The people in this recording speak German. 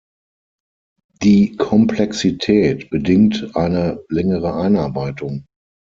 Die Komplexität bedingt eine längere Einarbeitung.